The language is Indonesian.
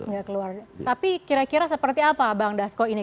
nggak keluar tapi kira kira seperti apa bang dasko ini